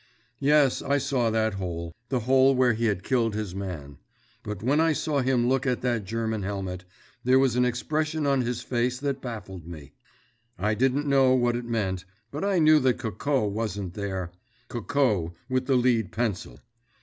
Yes, I saw that hole—the hole where he had killed his man. But, when I saw him look at that German helmet, there was an expression on his face that baffled me. I didn't know what it meant, but I knew that Coco wasn't there—Coco, with the lead pencil!